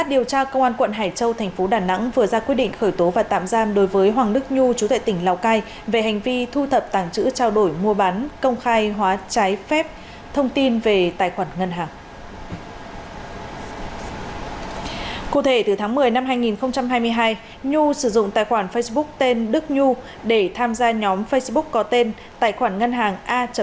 tổng công ty tín nghĩa đã ra quyết định khởi tố vụ án hình sự về hành vi thu thập tảng chữ trao đổi mua bán công khai hóa trái phép thông tin về tài khoản ngân hàng